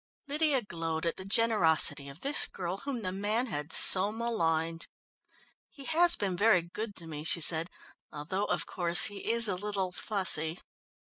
Lydia glowed at the generosity of this girl whom the man had so maligned. "He has been very good to me," she said, "although, of course, he is a little fussy."